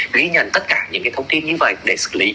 ghi nhận tất cả những thông tin như vậy để xử lý